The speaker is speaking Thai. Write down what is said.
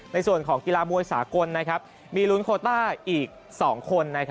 ในส่วนของกีฬามวยสากลมีลุ้นโคต้าอีก๒คน